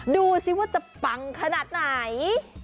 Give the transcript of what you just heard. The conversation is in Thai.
ดูสิว่าจะปังขนาดไหน